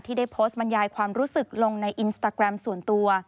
ได้โพสต์บรรยายความรู้สึกลงในอินสตาแกรมส่วนตัว